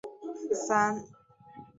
傅科摆